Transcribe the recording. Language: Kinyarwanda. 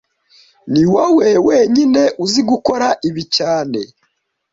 Niwowe wenyine uzi gukora ibi cyane